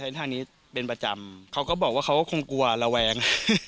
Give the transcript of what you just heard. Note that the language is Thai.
ทางนี้เป็นประจำเขาก็บอกว่าเขาก็คงกลัวระแวง